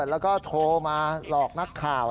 แล้วก็โทรมาหลอกนักข่าว